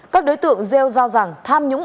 các đối tượng gieo giao rằng tham nhũng